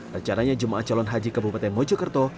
rencananya jemaah calon haji kabupaten mojokerto